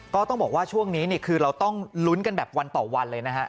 ก็ต้องบอกว่าช่วงนี้คือเราต้องลุ้นกันแบบวันต่อวันเลยนะฮะ